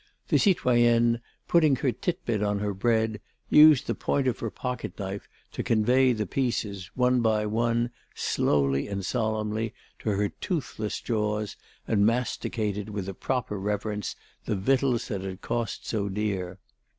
The citoyenne, putting her titbit on her bread, used the point of her pocket knife to convey the pieces one by one slowly and solemnly to her toothless jaws and masticated with a proper reverence the victuals that had cost so dear.